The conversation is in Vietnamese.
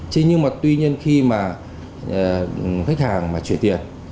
thế nhưng mà tuy nhiên khi mà khách hàng mà chuyển tiền